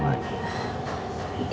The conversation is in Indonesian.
kemarinnya bersama rahma